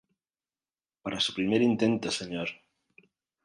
Para su primer intento, Mr.